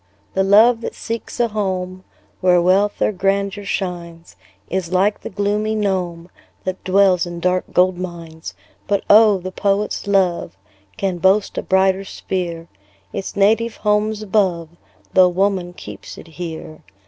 The love that seeks a home Where wealth or grandeur shines, Is like the gloomy gnome, That dwells in dark gold mines. But oh! the poet's love Can boast a brighter sphere; Its native home's above, Tho' woman keeps it here.